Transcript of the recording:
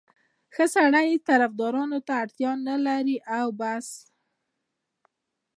ښه سړی هېڅ طفدارانو ته اړتیا نه لري او بس.